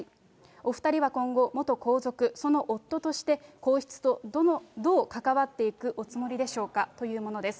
お２人は今後、元皇族、その夫として、皇室とどう関わっていくおつもりでしょうかというものです。